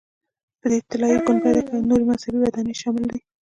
په دې کې طلایي ګنبده او نورې مذهبي ودانۍ شاملې دي.